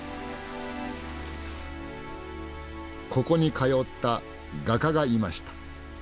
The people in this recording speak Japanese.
ここに通った画家がいました。